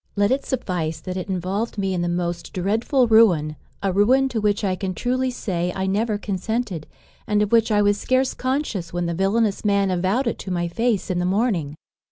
Let it suffice that it involved me in the most dreadful ruin; a ruin to which I can truly say I never consented, and of which I was scarce conscious when the villanous man avowed it to my face in the morning.